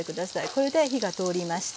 これで火が通りました。